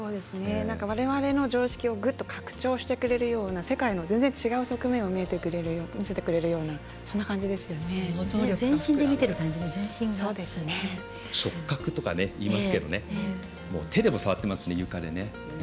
われわれの常識をグッと拡張してくれるような世界の全然違う側面を見せてくれるような触覚とかいいますけどね手でも触ってますし。